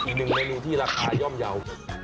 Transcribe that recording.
อีกหนึ่งเมนูที่ราคาย่อมเยาว์